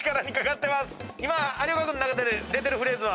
今有岡君の中で出てるフレーズは？